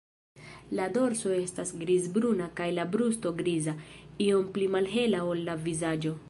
La dorso estas grizbruna kaj la brusto griza, iom pli malhela ol la vizaĝo.